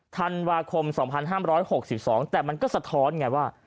ธันวาคม๒๕๖๒แต่มันก็สะท้อนไงว่า